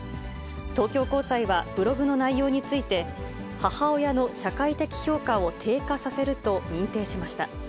東京高裁はブログの内容について、母親の社会的評価を低下させると認定しました。